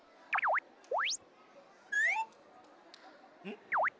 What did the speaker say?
ん？